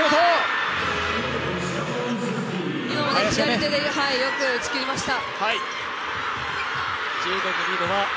今のも左手でよく打ちきりました。